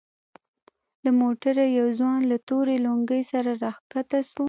له موټره يو ځوان له تورې لونگۍ سره راکښته سو.